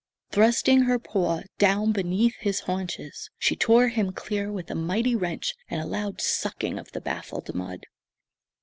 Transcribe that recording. Thrusting her paw down beneath his haunches, she tore him clear with a mighty wrench and a loud sucking of the baffled mud.